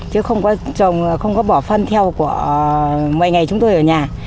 chứ không có trồng không có bỏ phân theo mọi ngày chúng tôi ở nhà